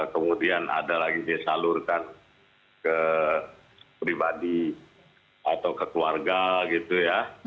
kemudian ada lagi disalurkan ke pribadi atau ke keluarga gitu ya